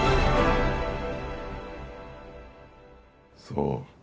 そう。